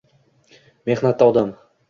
Mehnatda odam